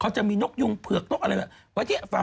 เขาจะมีนกยุงเผือกอะไรอะไร